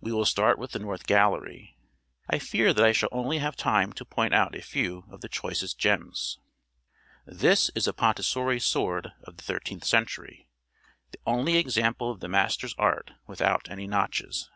We will start with the North Gallery; I fear that I shall only have time to point out a few of the choicest gems. This is a Pontesiori sword of the thirteenth century the only example of the master's art without any notches.